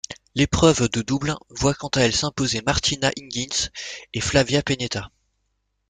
L'épreuve de double voit quant à elle s'imposer Martina Hingis et Flavia Pennetta.